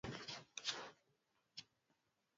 miamba na wauaji Tulifurahi kuona kwamba mtu